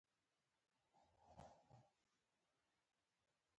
محاکات یوه عربي نومونه ده چې د یوناني میمیسیس ژباړه ده